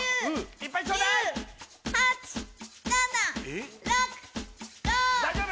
いっぱいちょうだい・えっ？